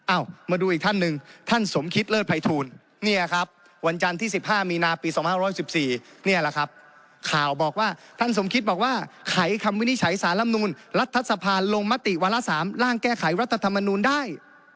อ้าวมาดูอีกท่านหนึ่งท่านสมคิตเลิศภัยทูลเนี่ยครับวันจันที่สิบห้ามีนาปีสองห้าร้อยสิบสี่เนี่ยล่ะครับข่าวบอกว่าท่านสมคิตบอกว่าขายคำวินิจฉัยสารรัฐธรรมนุนรัฐธรรมนุนลงมติวรรษามร่างแก้ไขรัฐธรรมนุนได้